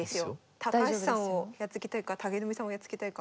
高橋さんをやっつけたいか武富さんをやっつけたいか。